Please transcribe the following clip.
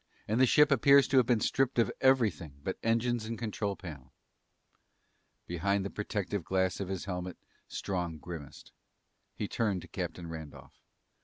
"And the ship appears to have been stripped of everything but engines and control panel." Behind the protective glass of his helmet, Strong grimaced. He turned to Captain Randolph.